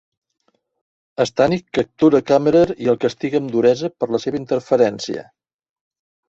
Strannik captura Kammerer i el castiga amb duresa per la seva interferència.